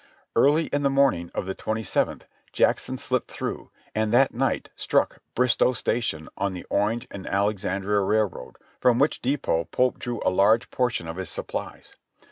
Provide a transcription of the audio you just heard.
Early in the morning of the twenty seventh, Jackson slipped through, and that night struck Bristow Station on the Orange and Alexandria Railroad, from which depot Pope drew a large portion of his supplies.